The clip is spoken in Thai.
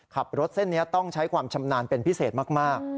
ขับรถเส้นนี้ต้องใช้ความชำนาญเป็นพิเศษมาก